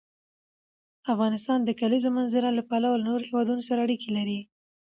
افغانستان د د کلیزو منظره له پلوه له نورو هېوادونو سره اړیکې لري.